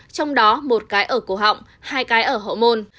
trong đó một cái ở cổ họng hai cái ở hậu môn